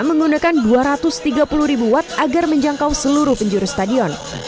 menggunakan dua ratus tiga puluh ribu watt agar menjangkau seluruh penjuru stadion